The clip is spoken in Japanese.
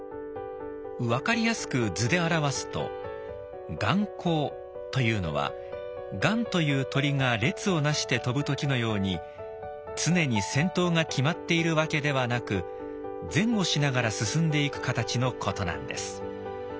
分かりやすく図で表すと「雁行」というのは雁という鳥が列をなして飛ぶ時のように常に先頭が決まっているわけではなく前後しながら進んでいく形のことなんです。